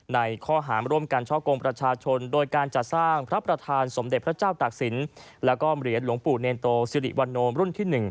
ในข้อหารร่วมกันช่อกงประชาชนโดยการจัดสร้างพระประธานสมเด็จพระเจ้าตากศิลป์แล้วก็เหรียญหลวงปู่เนรโตสิริวันโนมรุ่นที่๑